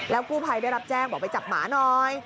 แล้วกูภัยได้รับแจ้งบอกไปจับหมาน้อย